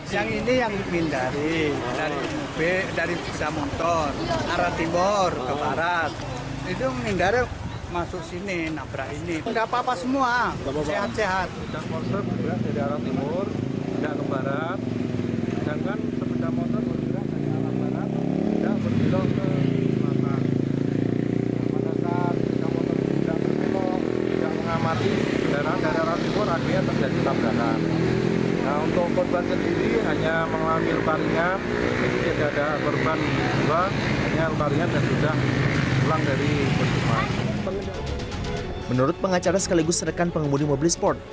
yang ini yang dihindari dari pusat motor arah timur ke barat